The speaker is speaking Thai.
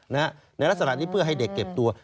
ในลักษณะนี้เพื่อให้เด็กเก็บตัว